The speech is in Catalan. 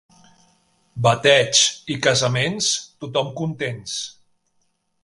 Bateigs i casaments, tothom contents.